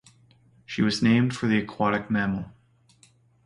She was named for the aquatic mammal.